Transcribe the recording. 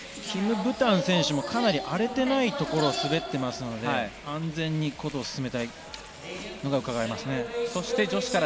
キム・ブタン選手もかなり荒れていないところ滑っていますので安全に、事を進めたいのがうかがえますね。